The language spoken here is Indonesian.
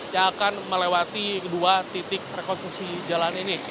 yang akan melewati dua titik rekonstruksi jalan ini